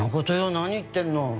何言ってんの。